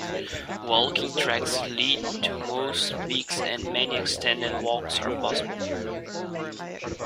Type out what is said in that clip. Walking tracks lead to most peaks and many extended walks are possible.